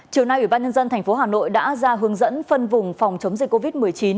chiều nay ủy ban nhân dân tp hà nội đã ra hướng dẫn phân vùng phòng chống dịch covid một mươi chín